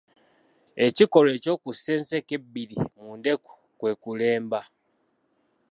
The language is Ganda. Ekikolwa ekyokussa enseke ebbiri mu ndeku kwe kulemba.